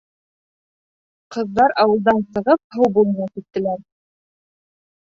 Ҡыҙҙар ауылдан сығып һыу буйына киттеләр.